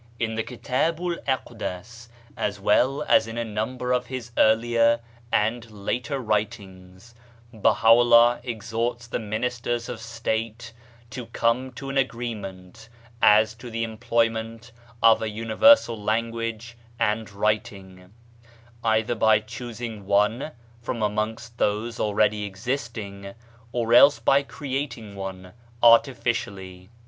In the Kitabu'l Aqdas as well as in a number of his earlier and later writings, Baha'u'llah exhorts the ministers of State to come to an agreement as to the employment of a universal language and writing, either by choosing one from amongst those already existing, or else by creating one artificially.